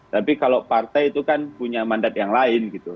tapi kalau partai itu kan punya mandat yang lain gitu